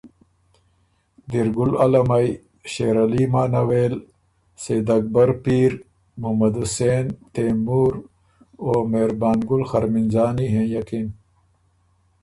دیرګل علمئ، شېرعلی مانوېل، سېد اکبر پیر، محمد حسېن، تېمُور، او مهربان شاه خرمِنځانی هېنئکِن۔